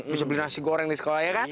bisa beli nasi goreng di sekolah ya kan